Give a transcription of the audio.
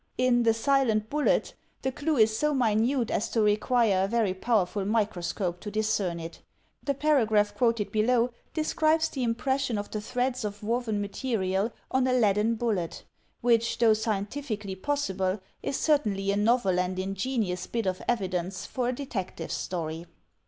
In "The Silent Bullet" the clue is so minute .as to require a very powerful microscope to discern it. The paragraph quoted below describes the impression of the threads of woven material on a leaden bullet; which, though scientifically possible, is certainly a novel and ingenious bit of evidence for a Detective Story.